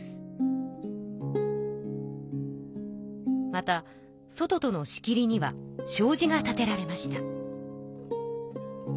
また外との仕切りにはしょうじが立てられました。